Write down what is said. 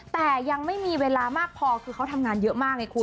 แต่ยังไม่มีเวลามากพอคือเขาทำงานเยอะมากไงคุณ